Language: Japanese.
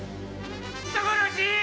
・人殺し！